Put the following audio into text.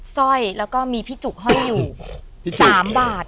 สร้อยแล้วก็มีพี่จุกห้อยอยู่๓บาท